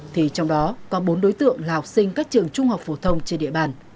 thì trong đó có bốn đối tượng là học sinh các trường trung học phổ thông trên địa bàn